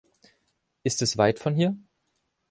Ist es weit von hier?